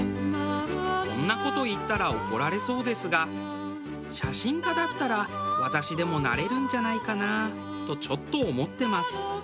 こんな事言ったら怒られそうですが写真家だったら私でもなれるんじゃないかなとちょっと思ってます。